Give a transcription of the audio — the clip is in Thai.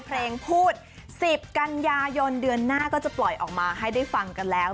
เพลงพูด๑๐กันยายนเดือนหน้าก็จะปล่อยออกมาให้ได้ฟังกันแล้ว